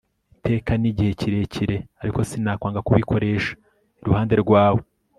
iteka ni igihe kirekire; ariko sinakwanga kubikoresha iruhande rwawe